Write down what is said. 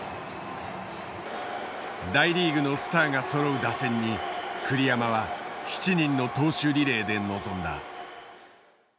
大リーグのスターがそろう打線に栗山は７人の投手リレーで臨んだ。